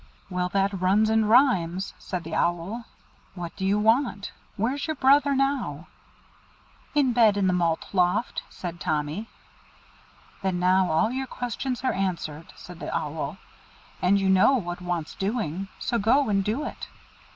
'" "Well, that runs and rhymes," said the Owl. "What do you want? Where's your brother now?" "In bed in the malt loft," said Tommy. "Then now all your questions are answered," said the Owl, "and you know what wants doing, so go and do it.